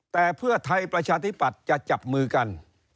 แต่เพื่อไทยประชาธิปัตย์จะจับมือกัน